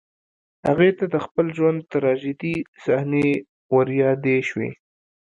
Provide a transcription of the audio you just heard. هغې ته د خپل ژوند تراژيدي صحنې وريادې شوې